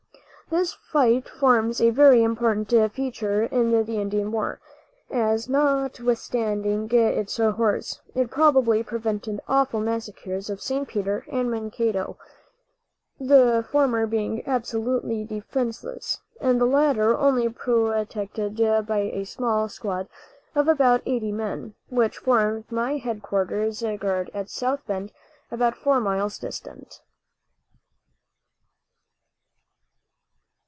This fight forms a very important feature in the Indian war, as, notwithstanding its horrors, it probably prevented awful massacres at St. Peter and Mankato, the former being absolutely defenseless, and the latter only protected by a small squad of about eighty men, which formed my headquarters guard at South Bend, about four miles distant.